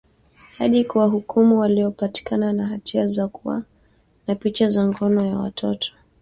hadi kuwahukumu waliopatikana na hatia ya kuwa na picha za ngono za watoto